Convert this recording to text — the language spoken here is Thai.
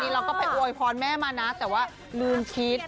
เราก็ไปอวยพรแม่มานะแต่ว่าลืมคิด